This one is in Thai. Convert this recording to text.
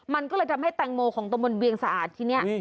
มันก็เลยทำให้แตงโมของตะบนเวียงสะอาดที่นี่